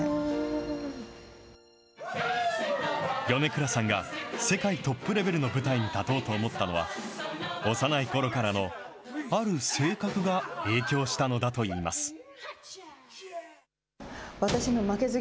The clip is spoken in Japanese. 米倉さんが世界トップレベルの舞台に立とうと思ったのは、幼いころからのある性格が影響したのだといいます。